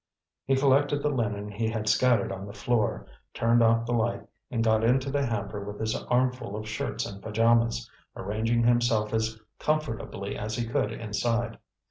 He collected the linen he had scattered on the floor, turned off the light and got into the hamper with his armful of shirts and pajamas, arranging himself as comfortably as he could inside.